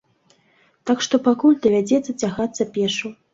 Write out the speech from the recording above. Так што пакуль давядзецца цягацца пешшу.